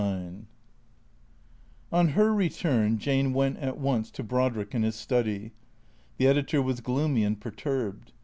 XLIX ON her return Jane went at once to Brodrick in his study. The editor was gloomy and perturbed.